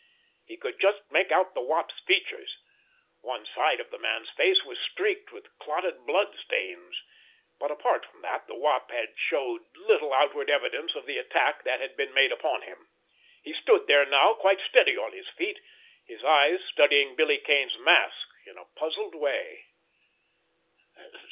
He could just make out the Wop's features. One side of the man's face was streaked with clotted blood stains; but apart from that the Wop now showed little outward evidence of the attack that had been made upon him. He stood there now, quite steady on his feet, his eyes studying Billy Kane's mask in a puzzled way.